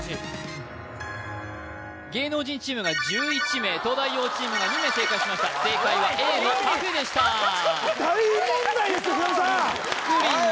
芸能人チームが１１名東大王チームが２名正解しました正解はＡのカフェでした大問題ですよ